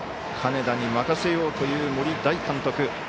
金田に任せようという森大監督。